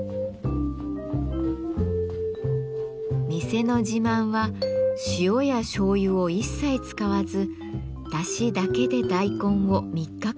店の自慢は塩やしょうゆを一切使わずだしだけで大根を３日間煮込んだ一品です。